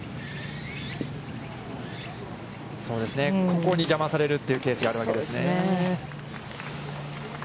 ここに邪魔されるというケースがあるわけですね。